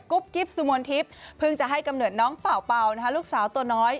กิ๊บสุมนทิพย์เพิ่งจะให้กำเนิดน้องเป่าเป่าลูกสาวตัวน้อย